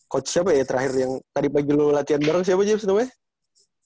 coach siapa ya terakhir yang tadi pagi lu latihan bareng siapa james namanya